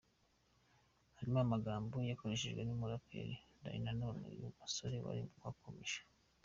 harimo amagambo yakoreshejwe numuraperi Dany Nanone, uyu musore wari wakomeje.